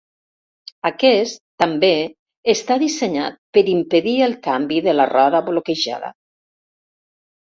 Aquest, també, està dissenyat per impedir el canvi de la roda bloquejada.